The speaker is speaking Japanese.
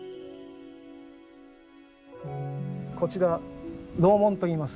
こちら楼門といいます。